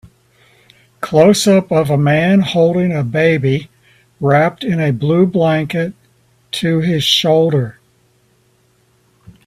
Closeup of a man holding a baby, wrapped in a blue blanket, to his shoulder.